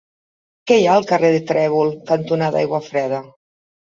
Què hi ha al carrer Trèvol cantonada Aiguafreda?